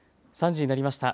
３時になりました。